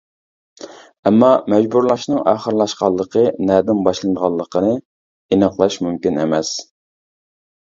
ئەمما « مەجبۇرلاشنىڭ ئاخىرلاشقانلىقى نەدىن باشلىنىدىغانلىقىنى ئېنىقلاش مۇمكىن ئەمەس».